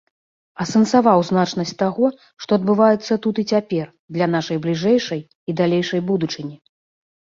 Асэнсаваў значнасць таго, што адбываецца тут і цяпер, для нашай бліжэйшай і далейшай будучыні.